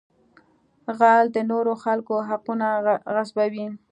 غل د نورو خلکو حقونه غصبوي